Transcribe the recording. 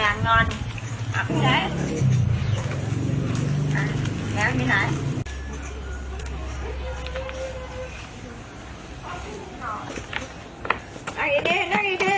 ตาไปไหนตายอ่ะตายอ่ะกินเถอะมา